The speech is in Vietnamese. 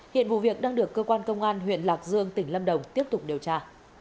hiện vụ việc đang được cơ quan công an huyện lạc dương tỉnh lâm đồng tiếp tục điều tra